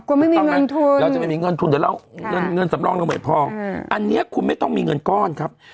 เราจะไม่มีเงินทุนเดี๋ยวเราเล่าเงินสำรองแล้วเหมือนพ่ออันเนี้ยคุณไม่ต้องมีเงินก้อนครับ